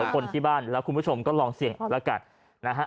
คนที่บ้านแล้วคุณผู้ชมก็ลองเสี่ยงเอาละกันนะฮะ